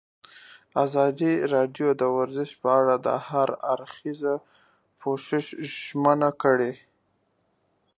ازادي راډیو د ورزش په اړه د هر اړخیز پوښښ ژمنه کړې.